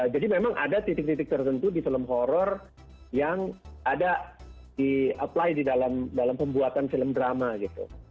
jadi memang ada titik titik tertentu di film horor yang ada di apply di dalam pembuatan film drama gitu